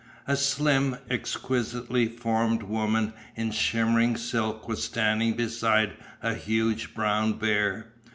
A slim, exquisitely formed woman in shimmering silk was standing beside a huge brown bear.